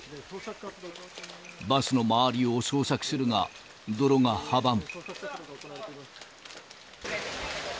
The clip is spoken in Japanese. バスの周りを捜索するが、泥が阻む。